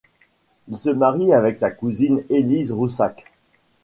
Il se marie avec sa cousine Élise Roussac.